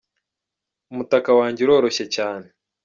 Umutaka wanjye uroroshye cyane.